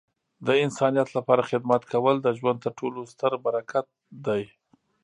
د انسانیت لپاره خدمت کول د ژوند تر ټولو ستره برکت دی.